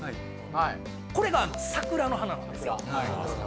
これが桜の花なんですよ。